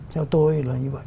theo tôi là như vậy